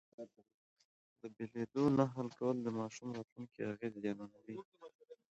د بېلېدو نه حل کول د ماشوم راتلونکی اغېزمنوي.